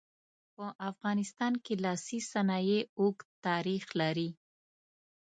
په افغانستان کې لاسي صنایع اوږد تاریخ لري.